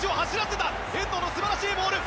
遠藤の素晴らしいボール。